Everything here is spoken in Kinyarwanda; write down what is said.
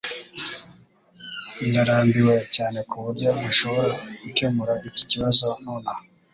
Ndarambiwe cyane kuburyo ntashobora gukemura iki kibazo nonaha